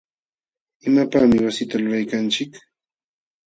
¿imapaqmi wasita lulaykanchik?